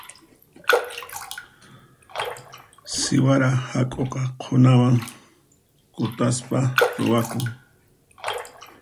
Siwara hak'uqa qhunawan kutaspa ruwakun.